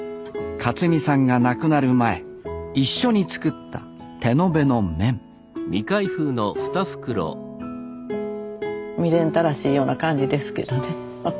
克己さんが亡くなる前一緒に作った手延べの麺未練たらしいような感じですけどね